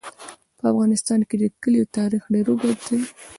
په افغانستان کې د کلیو تاریخ ډېر اوږد دی.